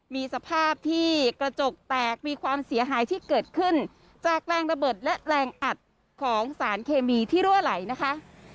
มีสภาพที่กระจกแตกมีความเสียหายที่เกิดขึ้นจากแรงระเบิดและแรงอัดของสารเคมีที่รั่วไหลนะคะ